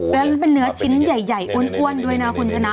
แล้วเป็นเนื้อชิ้นใหญ่อ้วนด้วยนะคุณชนะ